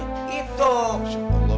udah ada kabar gitu